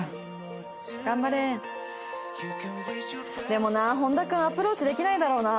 でもな本田君アプローチできないだろうな。